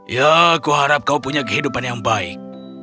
ya aku harap kau punya kehidupan yang baik